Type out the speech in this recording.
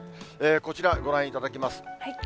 こちらご覧いただきます。